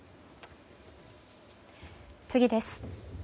次です。